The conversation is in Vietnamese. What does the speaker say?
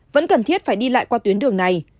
vẫn cần thiết phải đi lại qua tuyến đường này